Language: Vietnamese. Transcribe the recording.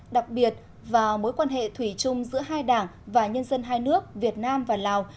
đặc biệt vào mối quan hệ thủy chung giữa hai đảng và nhân dân hai nước việt nam và lào